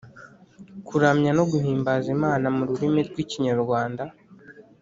kuramya no guhimbaza Imana mu rurimi rw'Ikinyarwanda